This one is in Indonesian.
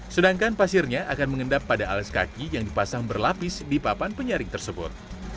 sedangkan pasirnya akan mengendap pada alas kaki yang dipasang berlapis di papan penyaring tersebut